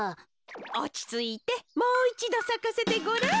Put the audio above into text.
おちついてもういちどさかせてごらん。